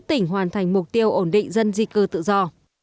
trong quá trình ổn định dân di cư tự do